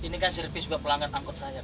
saya servis buat pelanggan angkot saya kok